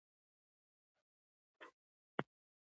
ایوب خان کندهار قلابند کړ.